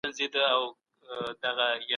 هغه څوک چي درناوی کوي، بريالی دی.